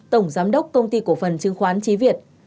tổng giám đốc công ty cổ phần chứng khoán trí việt